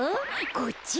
こっちか？